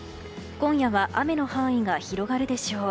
今夜は雨の範囲が広がるでしょう。